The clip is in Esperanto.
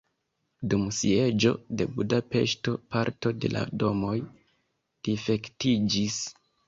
Dum sieĝo de Budapeŝto parto de la domoj difektiĝis.